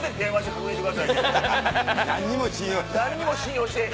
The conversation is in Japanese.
何にも信用してない。